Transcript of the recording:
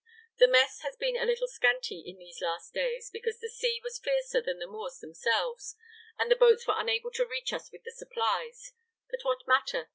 The mess has been a little scanty in these last days, because the sea was fiercer than the Moors themselves, and the boats were unable to reach us with the supplies; but what matter?